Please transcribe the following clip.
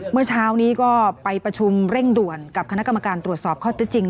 เมื่อเช้านี้ก็ไปประชุมเร่งด่วนกับคณะกรรมการตรวจสอบข้อที่จริง